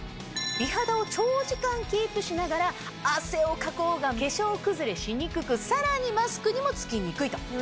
美肌を長時間キープしながら汗をかこうが化粧崩れしにくくさらにマスクにもつきにくいと。